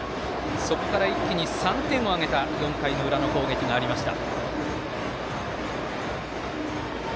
そこから一気に３点を挙げた４回の裏の攻撃がありました。